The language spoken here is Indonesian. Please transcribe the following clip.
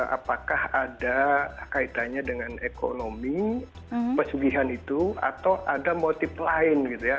apakah ada kaitannya dengan ekonomi pesugihan itu atau ada motif lain gitu ya